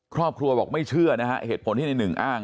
ครอบครัวบอกไม่เชื่อนะฮะเหตุผลที่ในหนึ่งอ้าง